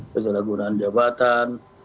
kejualan gunaan jabatan